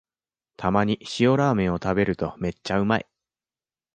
たまに塩ラーメンを食べるとめっちゃうまい